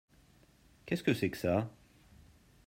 Qu'est-ce que c'est que ça ?